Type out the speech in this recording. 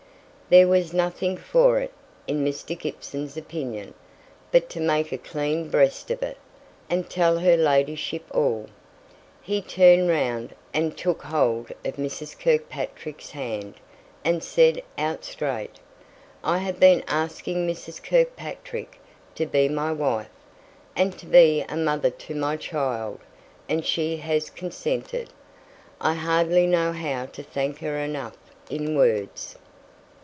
There was nothing for it, in Mr. Gibson's opinion, but to make a clean breast of it, and tell her ladyship all. He turned round, and took hold of Mrs. Kirkpatrick's hand, and said out straight, "I have been asking Mrs. Kirkpatrick to be my wife, and to be a mother to my child; and she has consented. I hardly know how to thank her enough in words."